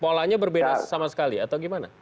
polanya berbeda sama sekali atau gimana